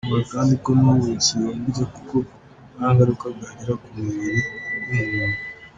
Avuga kandi ko n’ubuki baburya kuko nta ngaruka bwagira ku mubiri w’umuntu.